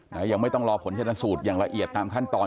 ยังไม่ต้องรอผลชนสูตรอย่างละเอียดตามขั้นตอน